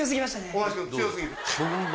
大橋君強過ぎる。